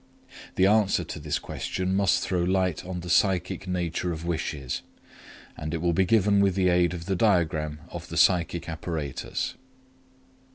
The answer to this question must throw light on the psychic nature of wishes; and it will be given with the aid of the diagram of the psychic apparatus.